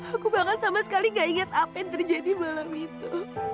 aku bahkan sama sekali gak ingat apa yang terjadi malam itu